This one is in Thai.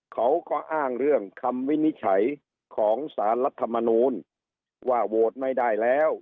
เขาก็อ้างเรื่องคำวินิจฉัยของสารรัฐมนูลว่าโหวตไม่ได้แล้ว